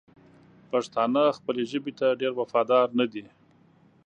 پښتانه خپلې ژبې ته ډېر وفادار ندي!